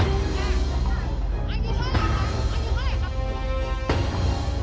แล้วก็หันไปชี้ชี้หน้าชี้